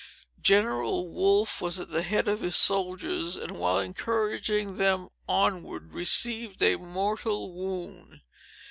General Wolfe was at the head of his soldiers, and while encouraging them onward, received a mortal wound.